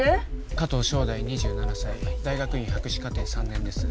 加藤祥大２７歳大学院博士課程３年です